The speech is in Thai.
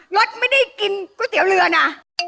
รถไม่ได้กินก๋วยเตี๋ยวเรือนะ